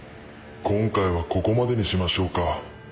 今回はここまでにしましょうか。